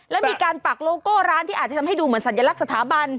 และมีการปักโลโก้ร้านที่อาจจะทำให้ดูเหมือนสัญลักษณ์สถาบัน